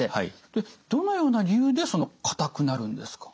でどのような理由で硬くなるんですか？